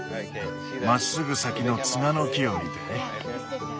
まっすぐ先のツガの木を見て。